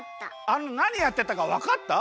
あのなにやってたかわかった？